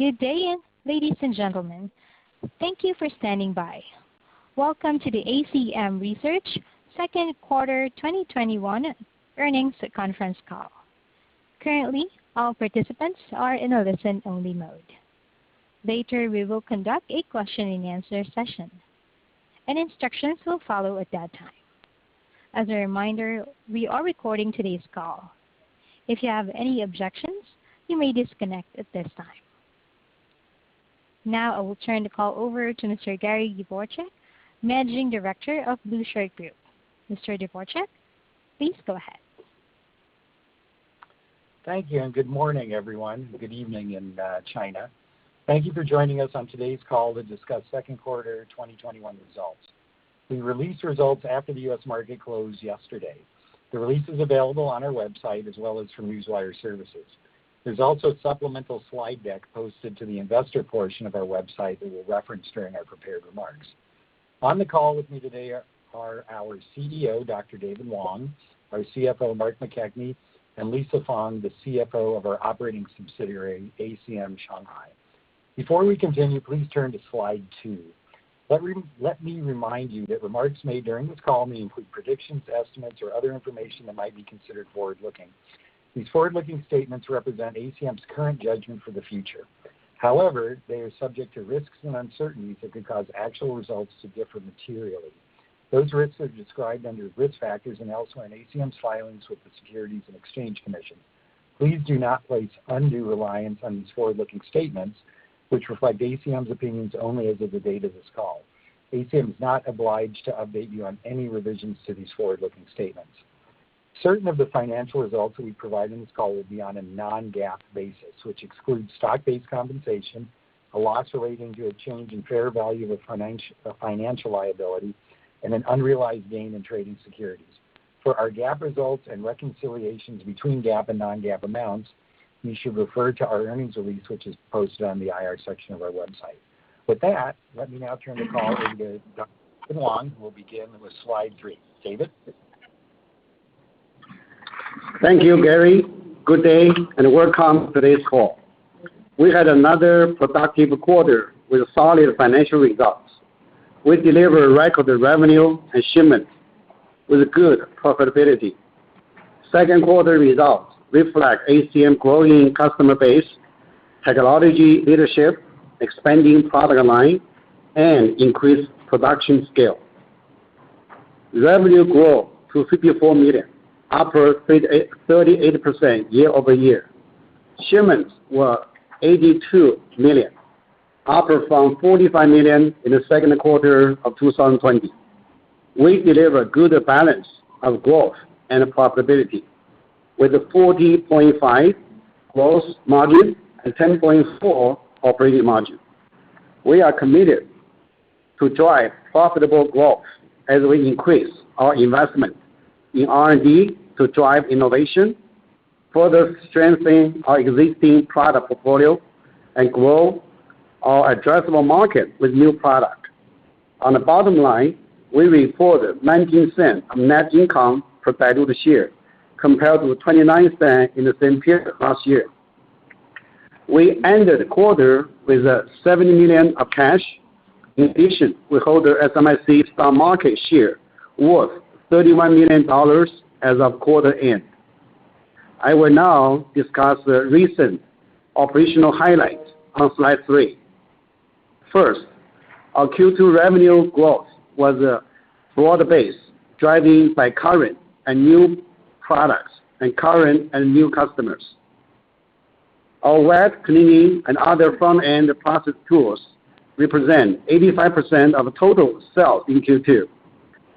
Good day, ladies and gentlemen. Thank you for standing by. Welcome to the ACM Research Q2 2021 Earnings Conference Call. Currently, all participants are in a listen-only mode. Later, we will conduct a question and answer session, and instructions will follow at that time. As a reminder, we are recording today's call. If you have any objections, you may disconnect at this time. I will turn the call over to Mr. Gary Dvorchak, Managing Director of The Blueshirt Group. Mr. Dvorchak, please go ahead. Thank you, good morning, everyone. Good evening in China. Thank you for joining us on today's call to discuss Q2 2021 results. We released results after the U.S. market closed yesterday. The release is available on our website as well as from Newswire Services. There's also a supplemental slide deck posted to the investor portion of our website that we'll reference during our prepared remarks. On the call with me today are our CEO, Dr. David Wang; our CFO, Mark McKechnie; and Lisa Feng, the CFO of our operating subsidiary, ACM Shanghai. Before we continue, please turn to slide two. Let me remind you that remarks made during this call may include predictions, estimates, or other information that might be considered forward-looking. These forward-looking statements represent ACM's current judgment for the future. They are subject to risks and uncertainties that could cause actual results to differ materially. Those risks are described under risk factors and also in ACM's filings with the Securities and Exchange Commission. Please do not place undue reliance on these forward-looking statements, which reflect ACM's opinions only as of the date of this call. ACM is not obliged to update you on any revisions to these forward-looking statements. Certain of the financial results that we provide in this call will be on a non-GAAP basis, which excludes stock-based compensation, a loss relating to a change in fair value of financial liability, and an unrealized gain in trading securities. For our GAAP results and reconciliations between GAAP and non-GAAP amounts, you should refer to our earnings release, which is posted on the IR section of our website. With that, let me now turn the call over to Dr. Wang, who will begin with slide three. David? Thank you, Gary. Good day, welcome to today's call. We had another productive quarter with solid financial results. We delivered record revenue and shipments with good profitability. Q2 results reflect ACM's growing customer base, technology leadership, expanding product line, and increased production scale. Revenue grew to $54 million, up 38% year-over-year. Shipments were 82 million, up from 45 million in the Q2 of 2020. We delivered a good balance of growth and profitability, with a 40.5% gross margin and 10.4% operating margin. We are committed to drive profitable growth as we increase our investment in R&D to drive innovation, further strengthen our existing product portfolio, and grow our addressable market with new product. On the bottom line, we reported $0.19 of net income per diluted share, compared to $0.29 in the same period last year. We ended the quarter with $70 million of cash. In addition, we hold SMIC stock market share worth $31 million as of quarter end. I will now discuss the recent operational highlights on slide three. First, our Q2 revenue growth was broad-based, driven by current and new products and current and new customers. Our wet cleaning and other front-end process tools represent 85% of total sales in Q2.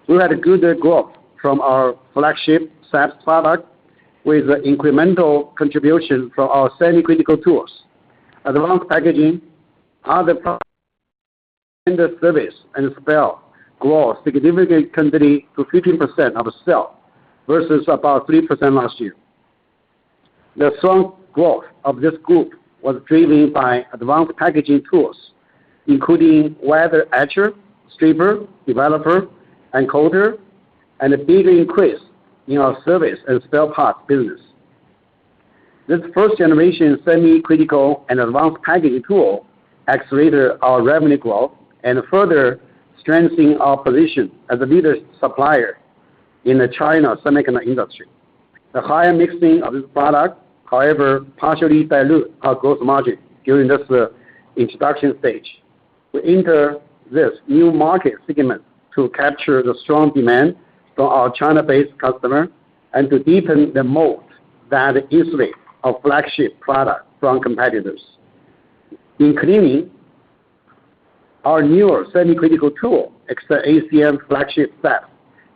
We had good growth from our flagship SAPS product, with incremental contributions from our semi-critical tools. Advanced packaging, other products, service, and spare grew significantly to 15% of sales versus about 3% last year. The strong growth of this group was driven by advanced packaging tools, including wet etcher, stripper, developer, and coater, and a bigger increase in our service and spare parts business. This first-generation semi-critical and advanced packaging tool accelerated our revenue growth and further strengthened our position as a leading supplier in the China semiconductor industry. The higher mixing of this product, however, partially dilutes our gross margin during this introduction stage. We enter this new market segment to capture the strong demand from our China-based customer and to deepen the moat that insulates our flagship product from competitors. In cleaning, our newer semi-critical tool, ACM flagship SAPS,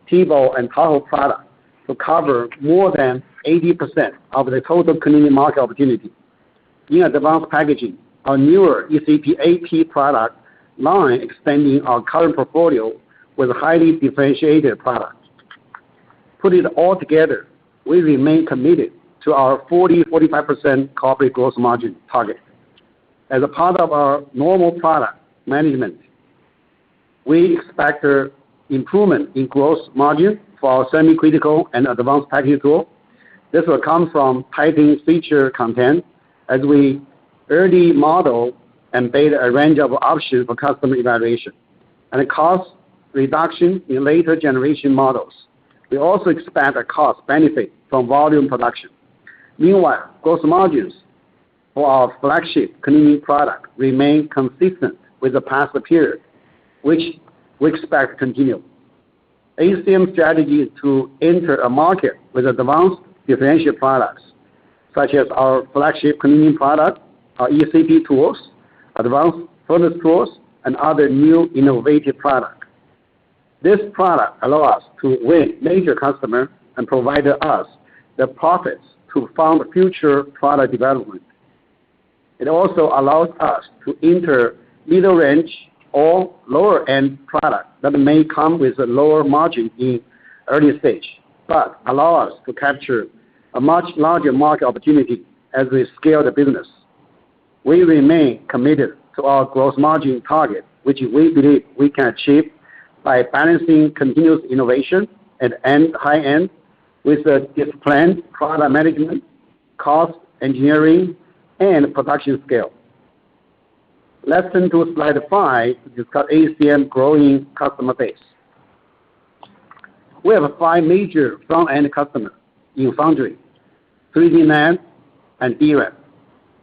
TEBO, and Tahoe products, will cover more than 80% of the total cleaning market opportunity. In advanced packaging, our newer ECP ap product line expanding our current portfolio with highly differentiated products. Put it all together, we remain committed to our 40%-45% corporate gross margin target. As a part of our normal product management. We expect improvement in gross margin for our semi-critical and advanced packaging tool. This will come from typing feature content as we early model and beta a range of options for customer evaluation, and a cost reduction in later generation models. We also expect a cost benefit from volume production. Meanwhile, gross margins for our flagship cleaning product remain consistent with the past period, which we expect to continue. ACM's strategy is to enter a market with advanced differential products, such as our flagship cleaning product, our ECP tools, advanced furnace tools, and other new innovative product. This product allow us to win major customer and provided us the profits to fund future product development. It also allows us to enter middle range or lower-end product that may come with a lower margin in early stage, but allow us to capture a much larger market opportunity as we scale the business. We remain committed to our gross margin target, which we believe we can achieve by balancing continuous innovation at high-end with a disciplined product management, cost engineering, and production scale. Let's turn to slide five, discuss ACM growing customer base. We have five major front-end customer in foundry, 3D NAND, and DRAM.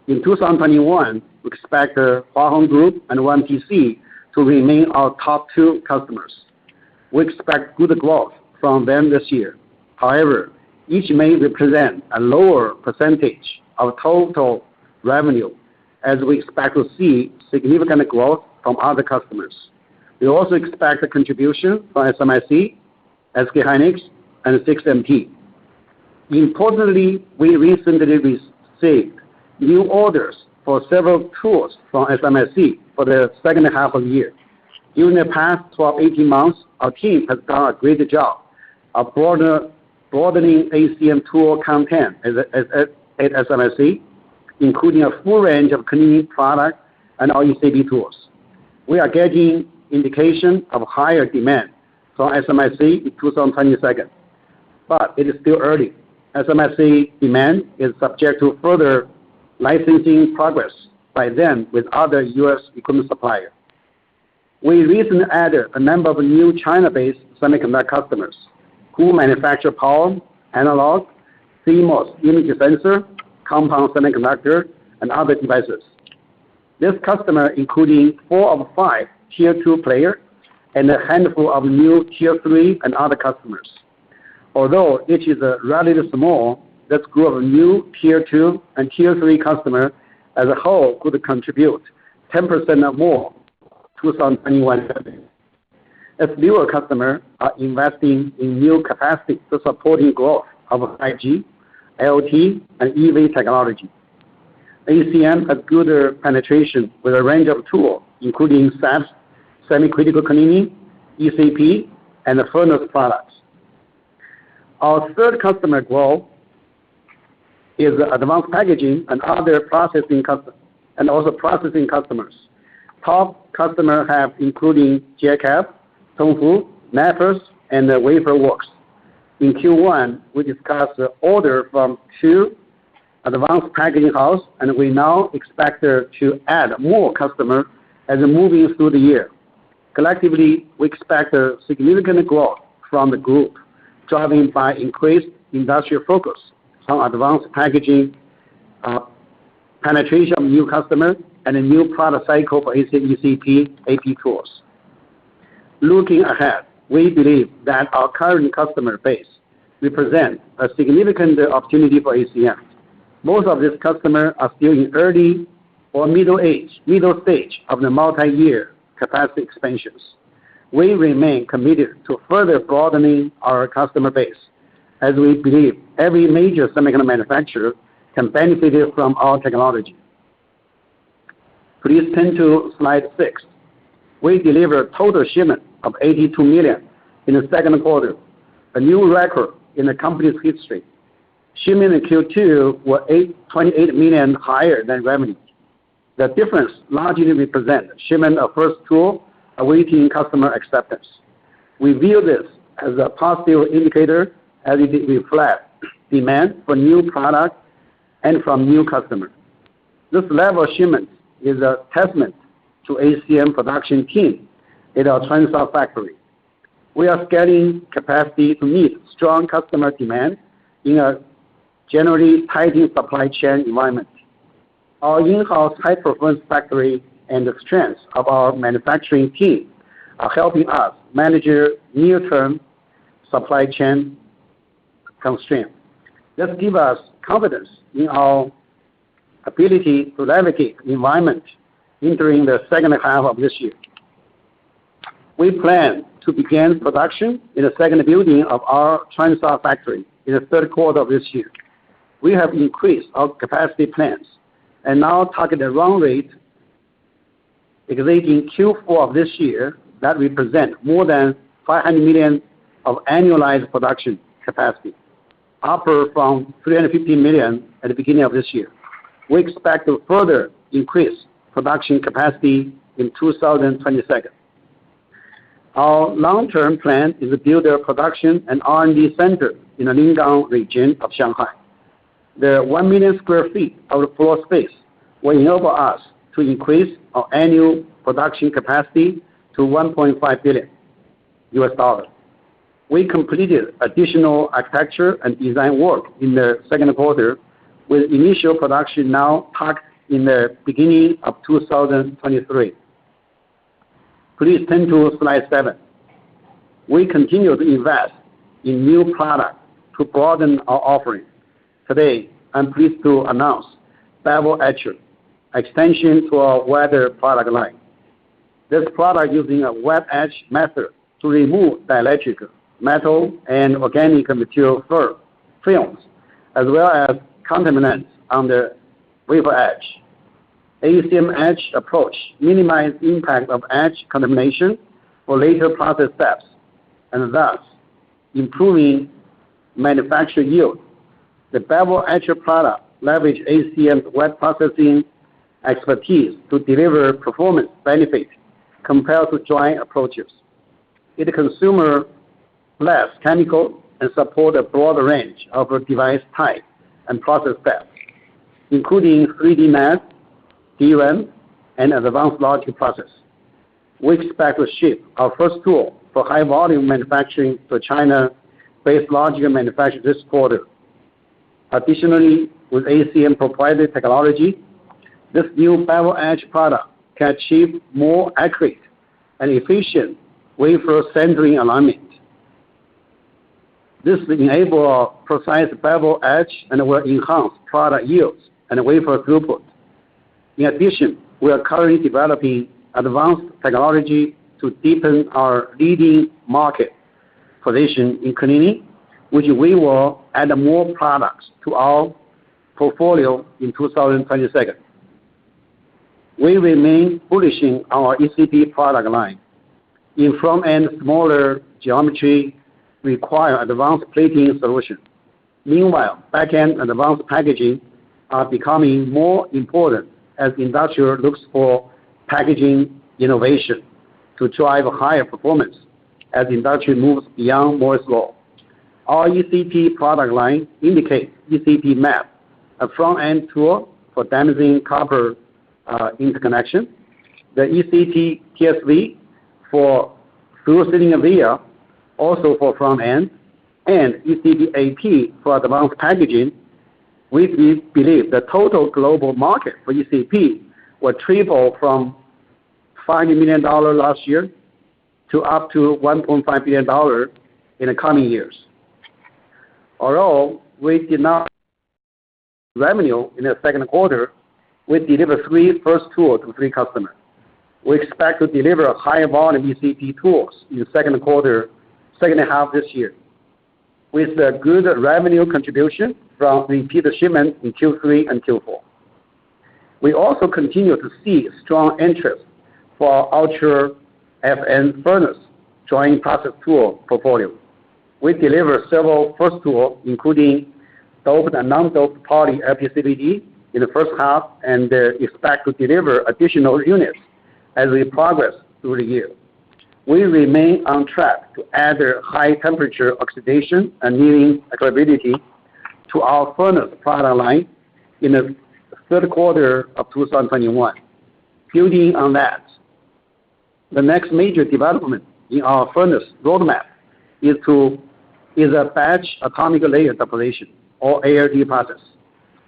In 2021, we expect Far East Group and YMTC to remain our top two customers. We expect good growth from them this year. However, each may represent a lower percentage of total revenue as we expect to see significant growth from other customers. We also expect a contribution from SMIC, SK Hynix, and CXMT. Importantly, we recently received new orders for several tools from SMIC for the H2 of the year. During the past 12, 18 months, our team has done a great job of broadening ACM tool content at SMIC, including a full range of cleaning product and ECP tools. We are getting indication of higher demand from SMIC in 2022. It is still early. SMIC demand is subject to further licensing progress by them with other U.S. equipment supplier. We recently added a number of new China-based semiconductor customers who manufacture power, analog, CMOS, image sensor, compound semiconductor, and other devices. This customer, including four of five tier 2 player and a handful of new tier 3 and other customers. Although each is relatively small, this group of new tier 2 and tier 3 customer as a whole could contribute 10% or more 2021 revenue. Newer customer are investing in new capacity to supporting growth of 5G, IoT, and EV technology. ACM has good penetration with a range of tool, including SAPS, semi-critical cleaning, ECP, and the furnace products. Our third customer growth is advanced packaging and other processing customers. Top customer have including JCET, Tongfu, Maples, and Wafer Works. In Q1, we discussed the order from two advanced packaging house, and we now expect to add more customer as moving through the year. Collectively, we expect a significant growth from the group, driving by increased industrial focus from advanced packaging, penetration of new customer, and a new product cycle for ECP ap tools. Looking ahead, we believe that our current customer base represent a significant opportunity for ACM. Most of these customer are still in early or middle stage of the multi-year capacity expansions. We remain committed to further broadening our customer base as we believe every major semiconductor manufacturer can benefit from our technology. Please turn to slide six. We deliver total shipment of $82 million in the Q2, a new record in the company's history. Shipment in Q2 were $28 million higher than revenue. The difference largely represent shipment of first tool awaiting customer acceptance. We view this as a positive indicator as it reflects demand for new product and from new customer. This level of shipment is a testament to ACM production team in our Changzhou factory. We are scaling capacity to meet strong customer demand in a generally tight supply chain environment. Our in-house high-performance factory and the strength of our manufacturing team are helping us manage near-term supply chain constraint. This gives us confidence in our ability to navigate environment entering the H2 of this year. We plan to begin production in the second building of our Changzhou factory in the Q3 of this year. We have increased our capacity plans and now target a run rate exceeding Q4 of this year that represent more than $500 million of annualized production capacity. Upward from $350 million at the beginning of this year. We expect to further increase production capacity in 2022. Our long-term plan is to build a production and R&D center in the Lingang region of Shanghai. The 1 million sq ft of floor space will enable us to increase our annual production capacity to $1.5 billion. We completed additional architecture and design work in the Q2, with initial production now marked in the beginning of 2023. Please turn to slide seven. We continue to invest in new products to broaden our offerings. Today, I'm pleased to announce Bevel Etch, extension to our wet etch product line. This product using a wet etch method to remove dielectric, metal, and organic material films, as well as contaminants on the wafer edge. ACM etch approach minimize impact of etch contamination for later process steps, and thus improving manufacture yield. The bevel etcher product leverage ACM's wet processing expertise to deliver performance benefits compared to dry approaches. It consume less chemical and support a broader range of device type and process steps, including 3D NAND, DRAM, and advanced logic process. We expect to ship our first tool for high volume manufacturing to China-based logic manufacturer this quarter. Additionally, with ACM proprietary technology, this new Bevel Etch product can achieve more accurate and efficient wafer centering alignment. This enable precise bevel etch and will enhance product yields and wafer throughput. In addition, we are currently developing advanced technology to deepen our leading market position in cleaning, which we will add more products to our portfolio in 2022. We remain bullish in our ECP product line. In front-end, smaller geometry require advanced plating solutions. Meanwhile, back-end advanced packaging are becoming more important as the industry looks for packaging innovation to drive higher performance as the industry moves beyond Moore's Law. Our ECP product line indicate ECP map, a front-end tool for damascene copper interconnect. The ECP TSV for through-silicon via also for front-end, and ECP ap for advanced packaging. We believe the total global market for ECP will triple from $5 million last year to up to $1.5 billion in the coming years. Although we did not revenue in the Q2, we deliver three first tools to three customers. We expect to deliver a high volume ECP tools in H2 this year. With a good revenue contribution from repeated shipment in Q3 and Q4. We also continue to see strong interest for our Ultra Fn Furnace joint process tool portfolio. We deliver several first tool, including doped and non-doped poly LPCVD in the H1, and expect to deliver additional units as we progress through the year. We remain on track to add high temperature oxidation, annealing capability to our furnace product line in the Q3 of 2021. Building on that, the next major development in our furnace roadmap is a batch atomic layer deposition or ALD process.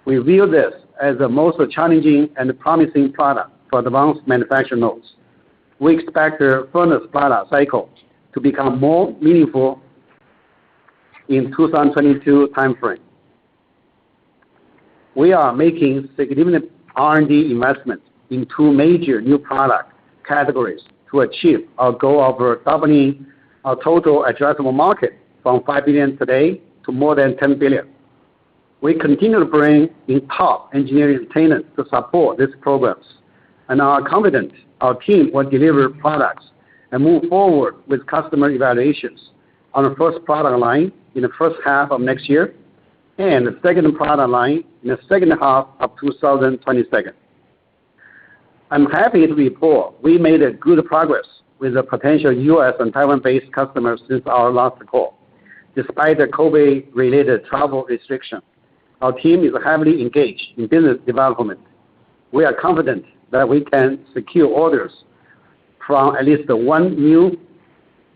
We view this as the most challenging and promising product for advanced manufacturing nodes. We expect the furnace product cycle to become more meaningful in 2022 timeframe. We are making significant R&D investments in two major new product categories to achieve our goal of doubling our total addressable market from $5 billion today to more than $10 billion. We continue to bring in top engineering talent to support these programs, and are confident our team will deliver products and move forward with customer evaluations on the first product line in the H1 of next year, and the second product line in the H2 of 2022. I'm happy to report we made good progress with the potential U.S. and Taiwan-based customers since our last call. Despite the COVID-related travel restriction, our team is heavily engaged in business development. We are confident that we can secure orders from at least one new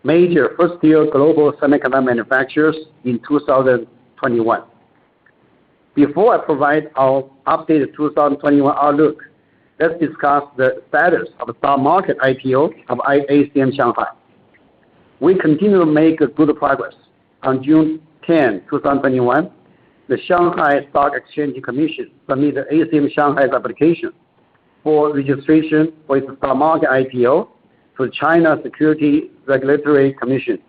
major first-tier global semiconductor manufacturers in 2021. Before I provide our updated 2021 outlook, let's discuss the status of the stock market IPO of ACM Shanghai. We continue to make good progress. On June 10, 2021, the Shanghai Stock Exchange submitted ACM Shanghai's application for registration for its stock market IPO to China Securities Regulatory Commission,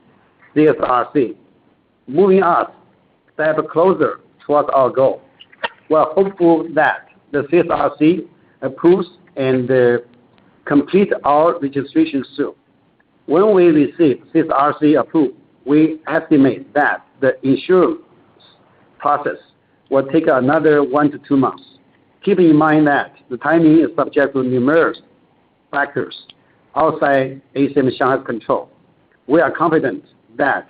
CSRC, moving us a step closer towards our goal. We are hopeful that the CSRC approves and complete our registration soon. When we receive this CSRC approval, we estimate that the issuance process will take another one to two months. Keep in mind that the timing is subject to numerous factors outside ACM Shanghai control. We are confident that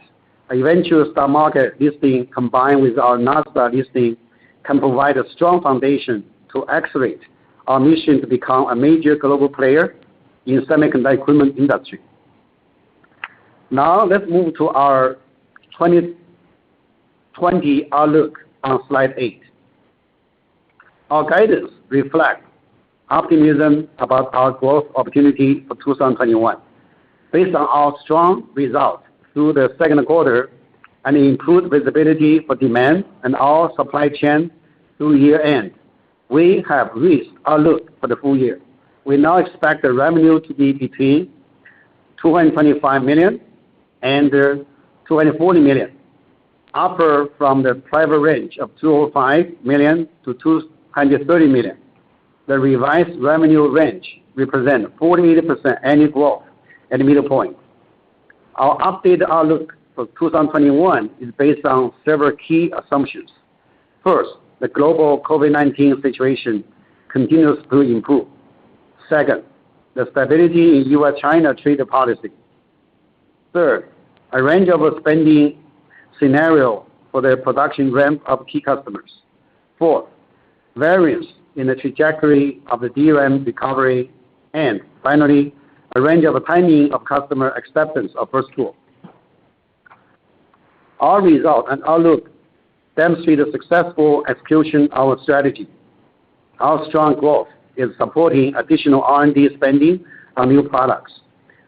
our eventual STAR Market listing, combined with our Nasdaq listing, can provide a strong foundation to accelerate our mission to become a major global player in semiconductor equipment industry. Let's move to our 2020 outlook on slide eight. Our guidance reflects optimism about our growth opportunity for 2021. Based on our strong results through the Q2 and improved visibility for demand and our supply chain through year-end, we have raised our outlook for the full year. We now expect the revenue to be between $225 million and $240 million, upper from the previous range of $205 million-$230 million. The revised revenue range represents 48% annual growth at the middle point. Our updated outlook for 2021 is based on several key assumptions. First, the global COVID-19 situation continues to improve. Second, the stability in U.S.-China trade policy. Third, a range of a spending scenario for the production ramp of key customers. Fourth, variance in the trajectory of the DRAM recovery. Finally, a range of the timing of customer acceptance of first tool. Our result and outlook demonstrate a successful execution of our strategy. Our strong growth is supporting additional R&D spending on new products.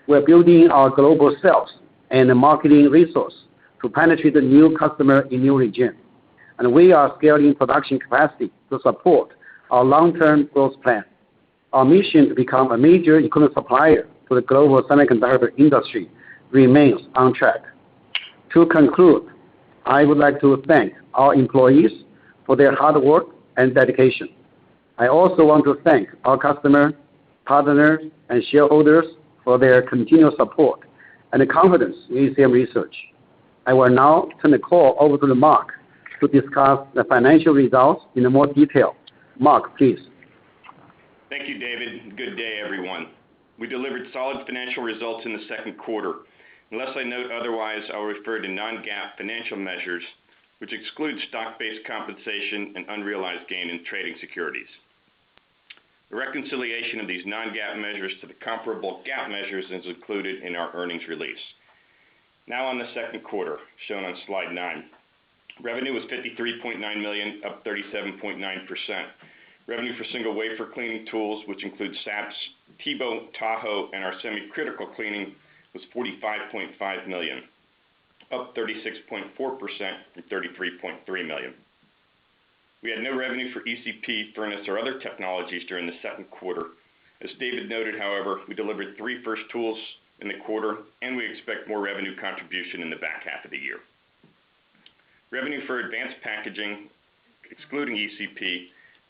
We're building our global sales and marketing resource to penetrate the new customer in new region. We are scaling production capacity to support our long-term growth plan. Our mission to become a major equipment supplier to the global semiconductor industry remains on track. To conclude, I would like to thank our employees for their hard work and dedication. I also want to thank our customer, partners, and shareholders for their continued support and confidence in ACM Research. I will now turn the call over to Mark to discuss the financial results in more detail. Mark, please. Thank you, David, and good day, everyone. We delivered solid financial results in the Q2. Unless I note otherwise, I'll refer to non-GAAP financial measures, which excludes stock-based compensation and unrealized gain in trading securities. The reconciliation of these non-GAAP measures to the comparable GAAP measures is included in our earnings release. On the Q2, shown on slide nine. Revenue was $53.9 million, up 37.9%. Revenue for single wafer cleaning tools, which includes SAPS, TEBO, Tahoe, and our semi-critical cleaning, was $45.5 million, up 36.4% from $33.3 million. We had no revenue for ECP, furnace, or other technologies during the Q2. As David noted, however, we delivered three first tools in the quarter, and we expect more revenue contribution in the H2 of the year. Revenue for advanced packaging, excluding ECP,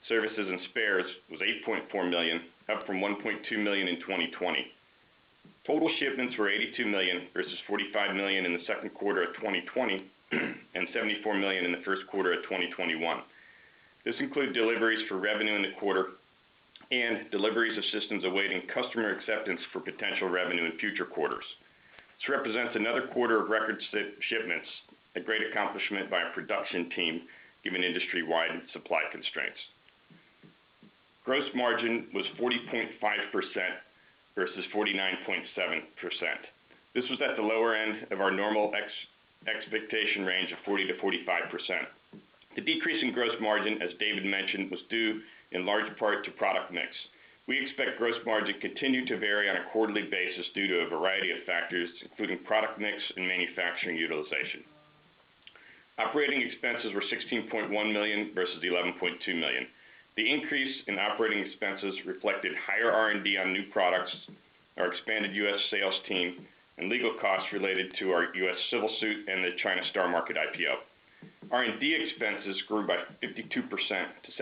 services, and spares, was $8.4 million, up from $1.2 million in 2020. Total shipments were $82 million versus $45 million in the Q2 of 2020, and $74 million in the Q1 of 2021. This includes deliveries for revenue in the quarter and deliveries of systems awaiting customer acceptance for potential revenue in future quarters. This represents another quarter of record shipments, a great accomplishment by our production team, given industry-wide supply constraints. Gross margin was 40.5% versus 49.7%. This was at the lower end of our normal expectation range of 40%-45%. The decrease in gross margin, as David mentioned, was due in large part to product mix. We expect gross margin continue to vary on a quarterly basis due to a variety of factors, including product mix and manufacturing utilization. Operating expenses were $16.1 million versus $11.2 million. The increase in operating expenses reflected higher R&D on new products, our expanded U.S. sales team, and legal costs related to our U.S. civil suit and the China STAR Market IPO. R&D expenses grew by 52% to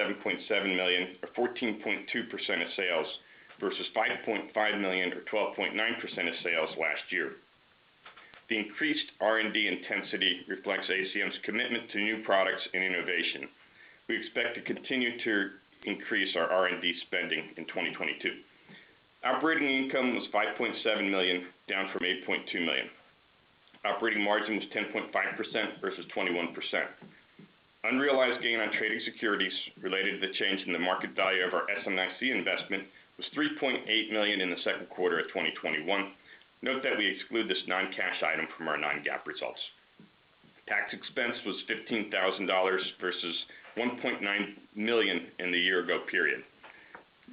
$7.7 million, or 14.2% of sales, versus $5.5 million or 12.9% of sales last year. The increased R&D intensity reflects ACM's commitment to new products and innovation. We expect to continue to increase our R&D spending in 2022. Operating income was $5.7 million, down from $8.2 million. Operating margin was 10.5% versus 21%. Unrealized gain on trading securities related to the change in the market value of our SMIC investment was $3.8 million in the Q2 of 2021. Note that we exclude this non-cash item from our non-GAAP results. Tax expense was $15,000 versus $1.9 million in the year ago period.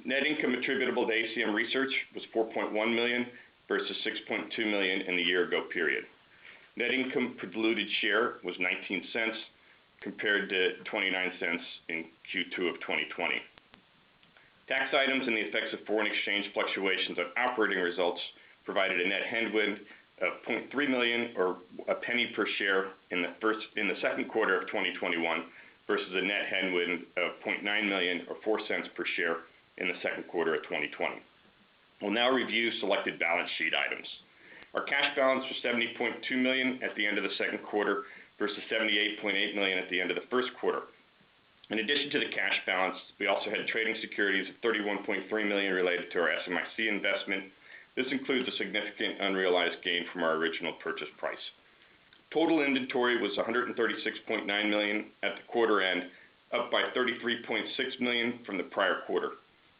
Net income attributable to ACM Research was $4.1 million versus $6.2 million in the year ago period. Net income per diluted share was $0.19 compared to $0.29 in Q2 of 2020. Tax items and the effects of foreign exchange fluctuations on operating results provided a net headwind of $0.3 million or $0.01 per share in the Q2 of 2021 versus a net headwind of $0.9 million or $0.04 per share in the Q2 of 2020. We'll now review selected balance sheet items. Our cash balance was $70.2 million at the end of the Q2 versus $78.8 million at the end of the Q1. In addition to the cash balance, we also had trading securities of $31.3 million related to our SMIC investment. This includes a significant unrealized gain from our original purchase price. Total inventory was $136.9 million at the quarter end, up by $33.6 million from the prior quarter.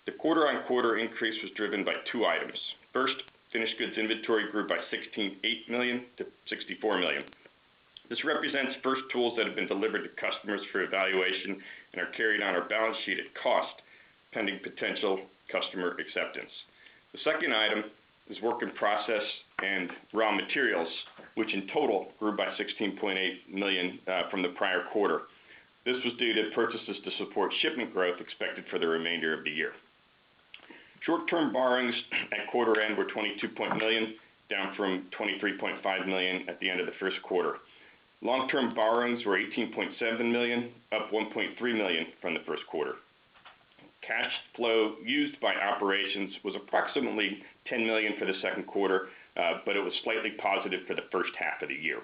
The quarter-on-quarter increase was driven by two items. First, finished goods inventory grew by $16.8 million- $64 million. This represents first tools that have been delivered to customers for evaluation and are carried on our balance sheet at cost, pending potential customer acceptance. The second item is work in process and raw materials, which in total grew by $16.8 million from the prior quarter. This was due to purchases to support shipment growth expected for the remainder of the year. Short-term borrowings at quarter end were $22 million, down from $23.5 million at the end of Q1. Long-term borrowings were $18.7 million, up $1.3 million from the Q1. Cash flow used by operations was approximately $10 million for the Q2, but it was slightly positive for the H1 of the year.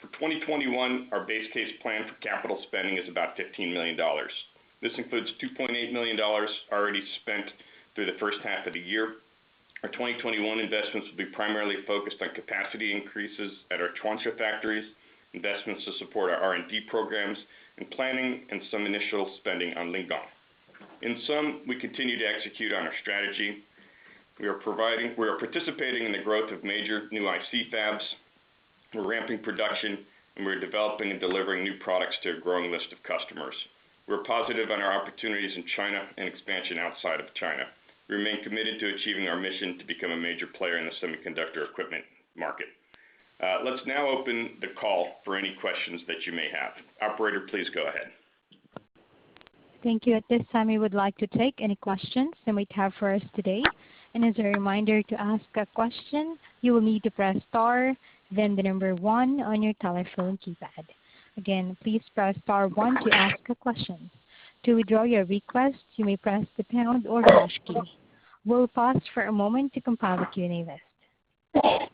For 2021, our base case plan for capital spending is about $15 million. This includes $2.8 million already spent through the H1 of the year. Our 2021 investments will be primarily focused on capacity increases at our Chuansha factories, investments to support our R&D programs, and planning and some initial spending on Lingang. In sum, we continue to execute on our strategy. We are participating in the growth of major new IC fabs. We're ramping production, and we're developing and delivering new products to a growing list of customers. We're positive on our opportunities in China and expansion outside of China. We remain committed to achieving our mission to become a major player in the semiconductor equipment market. Let's now open the call for any questions that you may have. Operator, please go ahead. Thank you. At this time, we would like to take any questions that you might have for us today. As a reminder, to ask a question, you will need to press star, then one on your telephone keypad. Again, please press star one to ask a question. To withdraw your request, you may press the pound or hash key. We'll pause for a moment to compile the Q&A list.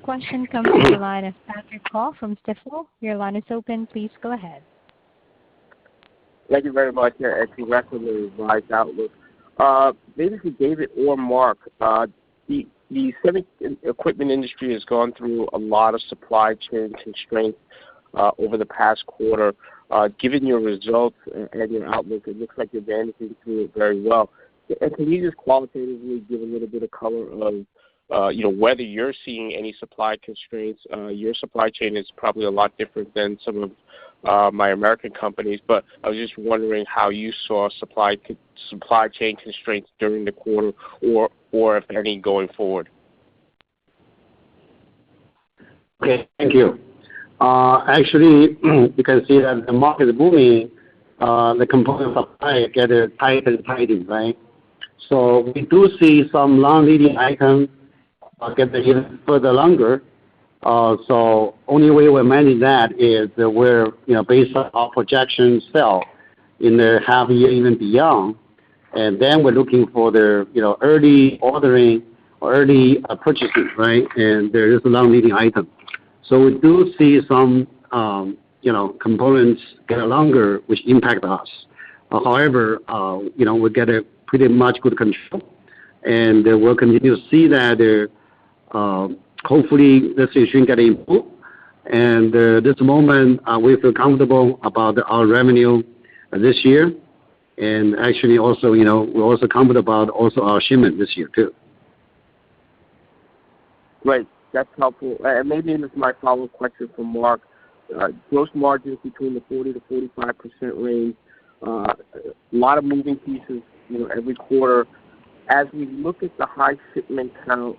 We have our first question coming from the line of Patrick Ho from Stifel. Your line is open. Please go ahead. Thank you very much. I congratulate you on a revised outlook. Maybe for David or Mark. The semi equipment industry has gone through a lot of supply chain constraints over the past quarter. Given your results and your outlook, it looks like you're managing through it very well. Can you just qualitatively give a little bit of color on whether you're seeing any supply constraints? Your supply chain is probably a lot different than some of my American companies. I was just wondering how you saw supply chain constraints during the quarter or if any going forward. Okay, thank you. Actually you can see that the market is moving, the components supply get tighter and tighter. We do see some long-leading items get even further longer. We're looking for the early ordering or early purchases. There is a long-leading item. We do see some components get longer, which impact us. However, we get a pretty much good control, and we'll continue to see that hopefully this issue get improved. At this moment, we feel comfortable about our revenue this year. Actually, we're also confident about also our shipment this year, too. Great. That's helpful. Maybe this is my follow-up question for Mark. Gross margins between the 40%-45% range. A lot of moving pieces every quarter. As we look at the high shipment count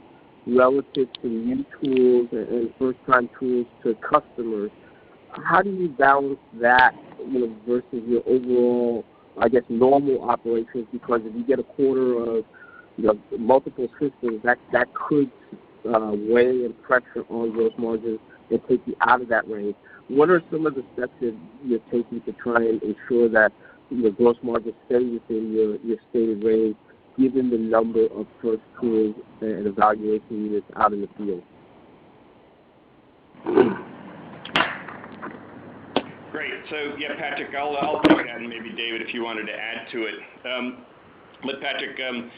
relative to new tools and first-time tools to customers, how do you balance that versus your overall, I guess, normal operations? If you get a quarter of multiple systems, that could weigh a pressure on gross margins that take you out of that range. What are some of the steps that you're taking to try and ensure that your gross margins stay within your stated range, given the number of first tools and evaluation units out in the field? Great. Yeah, Patrick, I'll start, and maybe David, if you wanted to add to it. Look, Patrick.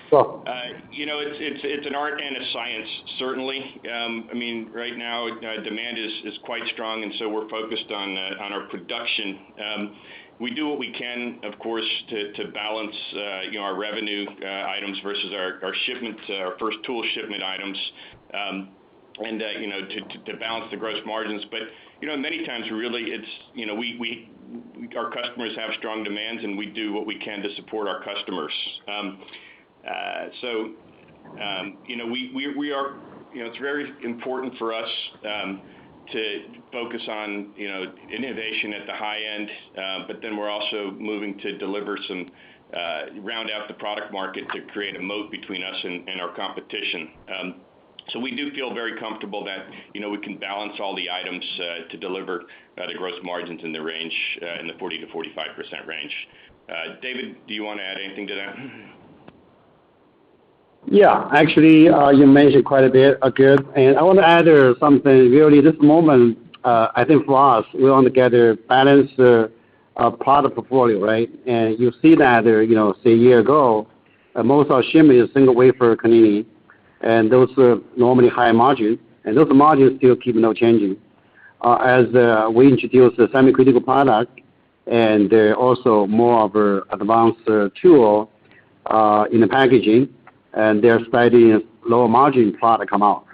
Sure. It's an art and a science, certainly. Right now, demand is quite strong, and so we're focused on our production. We do what we can, of course, to balance our revenue items versus our first-tool shipment items, and to balance the gross margins. Many times, really, our customers have strong demands, and we do what we can to support our customers. It's very important for us to focus on innovation at the high end, but then we're also moving to round out the product market to create a moat between us and our competition. We do feel very comfortable that we can balance all the items to deliver the gross margins in the 40%-45% range. David, do you want to add anything to that? Yeah. Actually, you mentioned quite a bit. I want to add something. Really, this moment, I think for us, we want to get a balanced product portfolio. You see that, say a year ago, most of our shipment is single wafer cleaning, and those are normally higher margin, and those margins still keep on changing. As we introduce the semi-critical cleaning and also more of advanced tool in the packaging, and they are slightly lower margin product come out.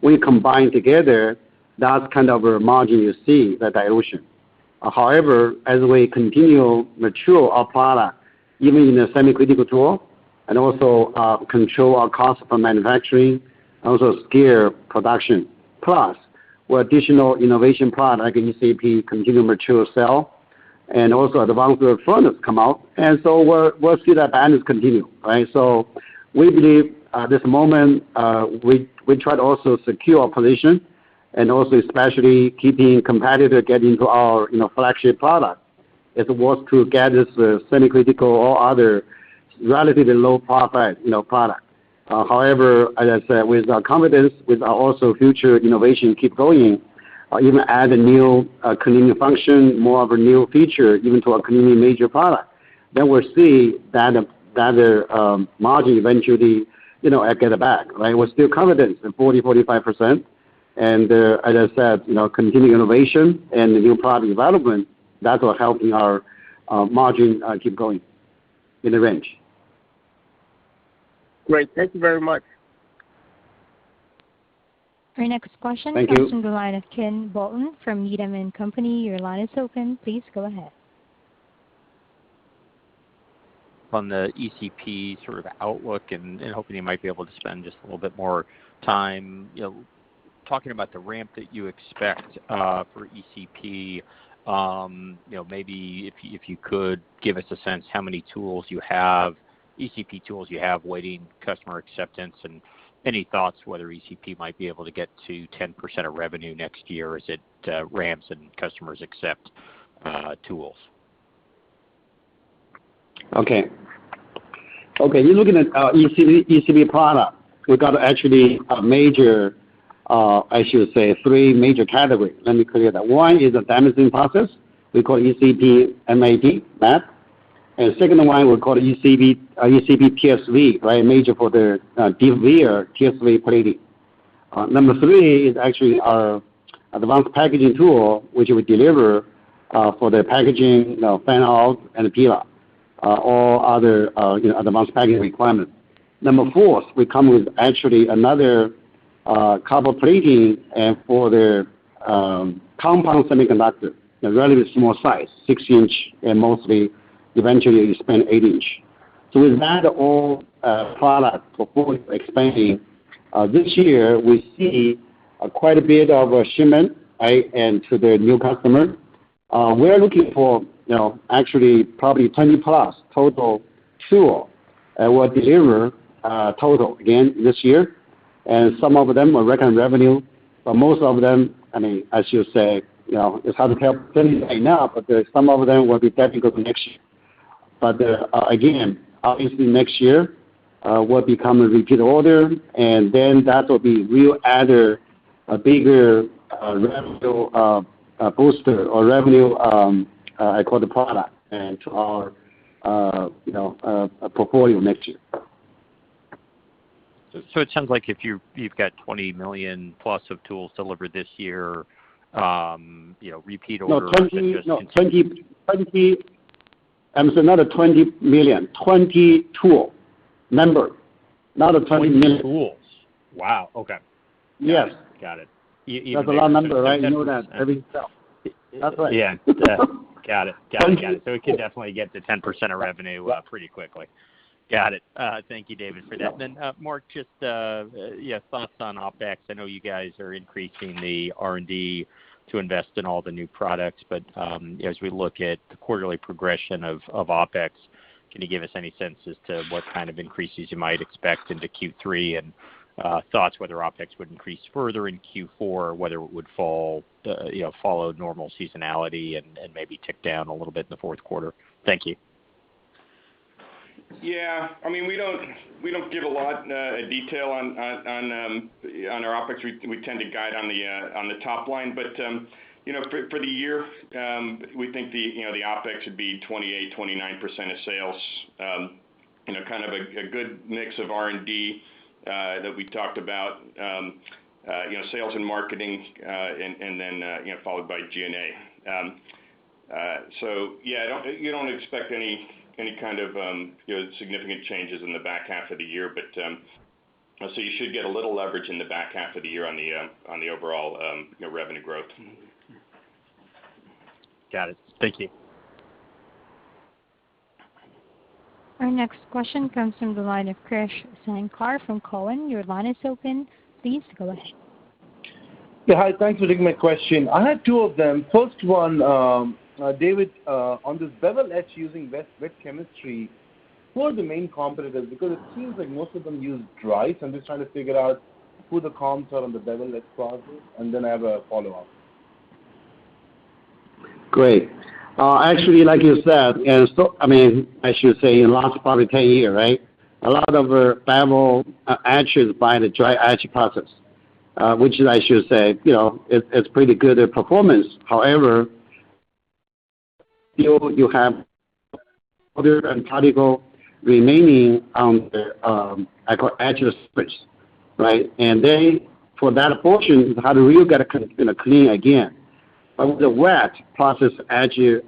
When you combine together, that's kind of a margin you see, the dilution. However, as we continue mature our product, even in a semi-critical tool, and also control our cost for manufacturing, and also scale production. Plus, with additional innovation product, ECP continue mature cell, and also advanced forefront has come out, and so we'll see that balance continue. We believe at this moment, we try to also secure our position and also especially keeping competitor getting to our flagship product, as it was to get us semi-critical or other relatively low profit product. As I said, with our confidence, with our also future innovation keep going, even add a new cleaning function, more of a new feature, even to our cleaning major product, we'll see that margin eventually get it back. We're still confident in 40%, 45%, as I said, continuing innovation and the new product development, that will help our margin keep going in the range. Great. Thank you very much. Our next question comes from the line of Quinn Bolton from Needham & Company. Your line is open. Please go ahead. On the ECP sort of outlook and hoping you might be able to spend just a little bit more time talking about the ramp that you expect for ECP. Maybe if you could give us a sense how many ECP tools you have waiting, customer acceptance, and any thoughts whether ECP might be able to get to 10% of revenue next year as it ramps and customers accept tools. Okay. You are looking at ECP product. We have actually, I should say, three major categories. Let me clear that. One is a damascene process. We call ECP map. Second one, we call ECP TSV, major for the TSV plating. Number three is actually our advanced packaging tool, which we deliver for the packaging, fan-out, and peel off, all other advanced packaging requirement. Number four, we come with actually another copper plating for the compound semiconductor, a relatively small size, six inch, and mostly eventually expand eight inch. With that all product portfolio expanding, this year, we see quite a bit of shipment to the new customer. We are looking for actually probably 20+ total tool that we will deliver total again this year. Some of them are rec and revenue, but most of them, I should say, it's hard to tell right now, but some of them will be technical connection. again, obviously next year, will become a repeat order, and then that will be real added bigger revenue booster or revenue, I call the product, and to our portfolio next year. It sounds like if you've got $20 million+ of tools delivered this year. It's another $20 million. 20 tool. Number. Not a $20 million. 20 tools. Wow, okay. Yes. Got it. That's a lot of number, right? You know that. Every sale. That's right. Yeah. Got it. It can definitely get to 10% of revenue pretty quickly. Got it. Thank you, David, for that. No. Mark, just thoughts on OpEx. I know you guys are increasing the R&D to invest in all the new products, but as we look at the quarterly progression of OpEx, can you give us any sense as to what kind of increases you might expect into Q3 and thoughts whether OpEx would increase further in Q4, whether it would follow normal seasonality and maybe tick down a little bit in the Q4? Thank you. Yeah. We don't give a lot of detail on our OpEx. We tend to guide on the top line. For the year, we think the OpEx should be 28%-29% of sales. Kind of a good mix of R&D that we talked about. Sales and marketing, then followed by G&A. Yeah, you don't expect any kind of significant changes in the H2 of the year, you should get a little leverage in the back half of the year on the overall revenue growth. Got it. Thank you. Our next question comes from the line of Krish Sankar from Cowen. Your line is open. Please go ahead. Yeah. Hi, thanks for taking my question. I have two of them. First one, David, on this Bevel Etch using wet chemistry, who are the main competitors? Because it seems like most of them use dry. I'm just trying to figure out who the comps are on the Bevel Etch process. I have a follow-up. Great. Actually, like you said, I should say in the last probably 10 years, a lot of bevel etchers by the dry etch process, which I should say, it's pretty good at performance. You have other particles remaining on the etcher space, right? For that portion, you have to really got to clean again. With the wet process etching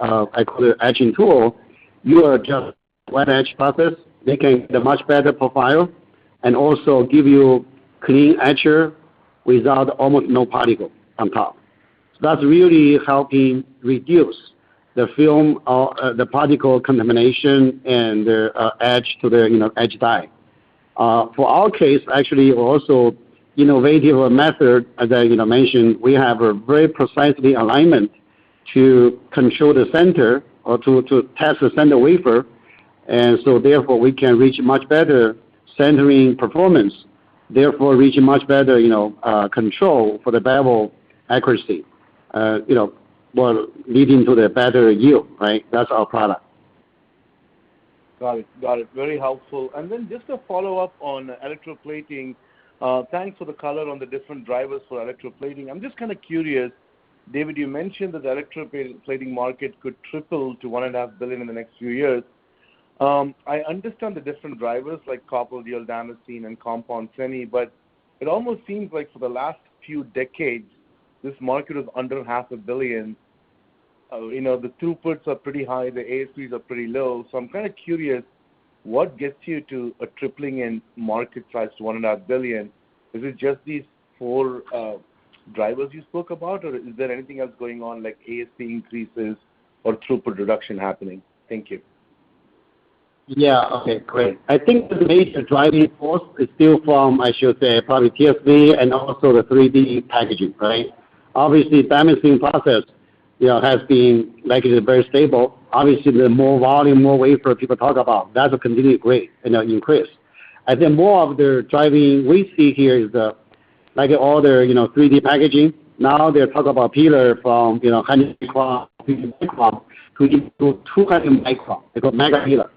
tool, you are just wet etch process, making the much better profile, and also give you clean etcher with almost no particle on top. That's really helping reduce the film, or the particle contamination, and the etch to the etch die. For our case, actually, also innovative method, as I mentioned, we have a very precisely alignment to control the center or to test the center wafer, and so therefore, we can reach much better centering performance, therefore reach much better control for the bevel accuracy leading to the better yield, right? That's our product. Got it. Very helpful. Then just a follow-up on electroplating. Thanks for the color on the different drivers for electroplating. Curious, David, you mentioned that the electroplating market could triple to $1.5 billion in the next few years. I understand the different drivers like copper yield, damascene, and compound semi, but it almost seems like for the last few decades, this market was under half a billion. The throughputs are pretty high, the ASPs are pretty low. Curious, what gets you to a tripling in market size to $1.5 billion? Is it just these four drivers you spoke about, or is there anything else going on, like ASP increases or throughput reduction happening? Thank you. Yeah. Okay, great. I think the major driving force is still from, I should say, probably TSV and also the 3D packaging, right? Obviously, damascene process has been very stable. Obviously, the more volume, more wafer people talk about, that will continue to increase. I think more of the driving we see here is all the 3D packaging. They talk about pillar from 100 micro to 200 micro. They call mega pillar.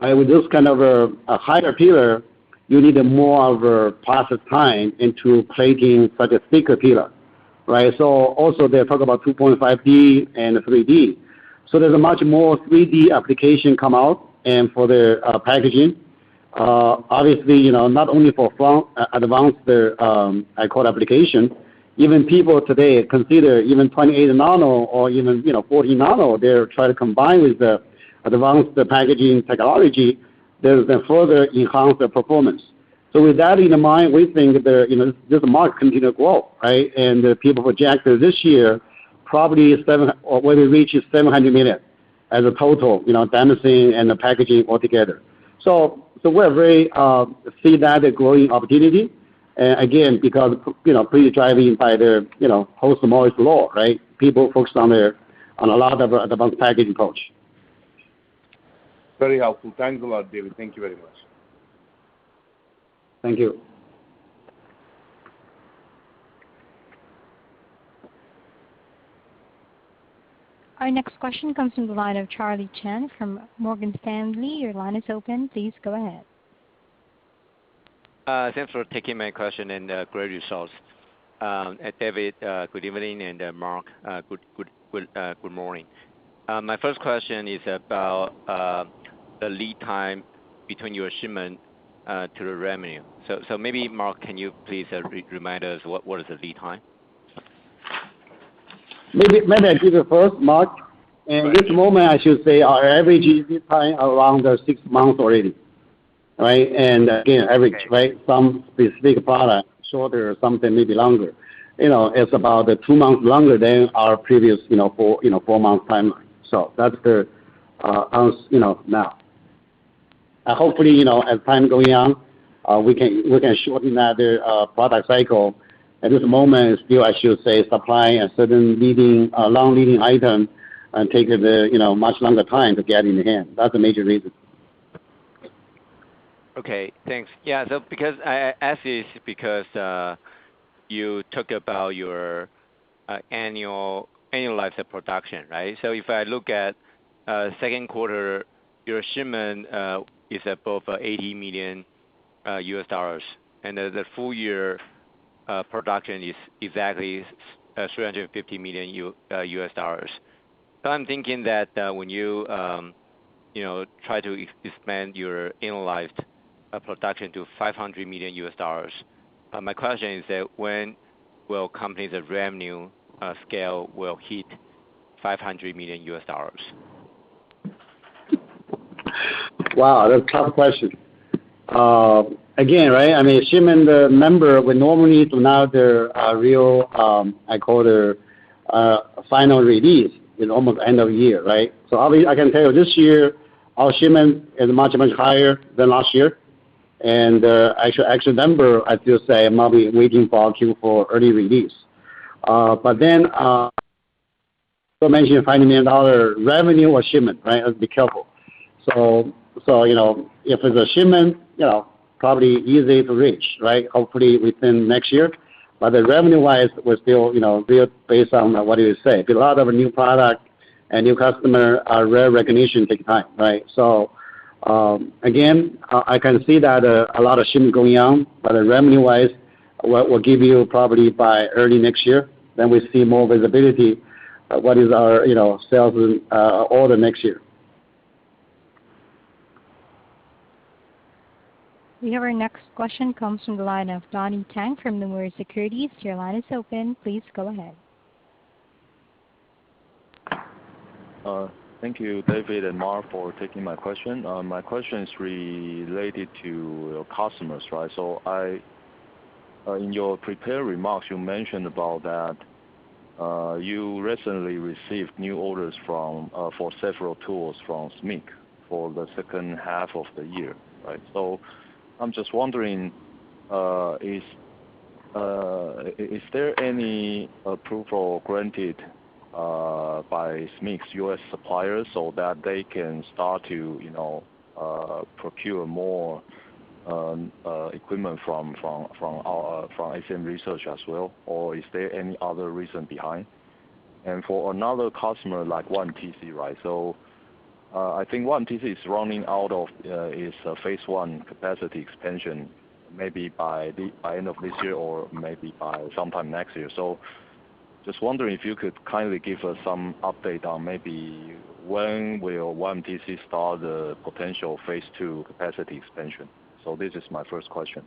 With this kind of a higher pillar, you need more of a process time into plating such a thicker pillar. Also they talk about 2.5D and 3D. There's a much more 3D application come out, and for the packaging. Obviously, not only for advanced core application, even people today consider even 28 nano or even 14 nano, they try to combine with the advanced packaging technology that further enhance the performance. With that in mind, we think this market continue to grow, right? The people project this year, probably when it reaches $700 million as a total, damascene and the packaging all together. We see that growing opportunity, again, because pretty driving by the Moore's Law, right? People focused on a lot of advanced packaging approach. Very helpful. Thanks a lot, David. Thank you very much. Thank you. Our next question comes from the line of Charlie Chan from Morgan Stanley. Your line is open. Please go ahead. Thanks for taking my question, and great results. David, good evening, and Mark, good morning. My first question is about the lead time between your shipment to the revenue. Maybe Mark, can you please remind us what is the lead time? Maybe I give it first, Mark McKechnie. In this moment, I should say our average lead time around six months already, right? Again, average, right? Some specific product shorter, something maybe longer. It's about two months longer than our previous four-month timeline. That's the answer now. Hopefully, as time going on, we can shorten that product cycle. At this moment, still, I should say supplying a certain long-leading item takes a much longer time to get in hand. That's the major reason. Okay, thanks. I ask this because you talk about your annualized production, right? If I look at Q2, your shipment is above $80 million, and the full year production is exactly $350 million. I'm thinking that when you try to expand your annualized production to $500 million, my question is that when will company's revenue scale will hit $500 million? Wow, that's a tough question. Shipment number will normally announce their real, I call it, final release in almost end of year, right? I can tell you this year, our shipment is much, much higher than last year. Actual number, I still say, might be waiting for Q4 early release. Mention $5 million revenue or shipment, right? Be careful. If it's a shipment, probably easy to reach. Hopefully within next year. Revenue-wise, we're still based on what you say, because a lot of new product and new customer are revenue recognition big time. Again, I can see that a lot of shipment going on, but revenue-wise, we'll give you probably by early next year, then we see more visibility, what is our sales order next year. We have our next question comes from the line of Donnie Teng from Nomura Securities. Your line is open. Please go ahead. Thank you, David Wang and Mark McKechnie, for taking my question. My question is related to your customers. In your prepared remarks, you mentioned about that you recently received new orders for several tools from SMIC for the H2 of the year. I'm just wondering, is there any approval granted by SMIC's U.S. suppliers so that they can start to procure more equipment from ACM Research as well, or is there any other reason behind? For another customer like YMTC. I think YMTC is running out of its phase 1 capacity expansion, maybe by end of this year or maybe by sometime next year. Just wondering if you could kindly give us some update on maybe when will YMTC start the potential phase 2 capacity expansion. This is my first question.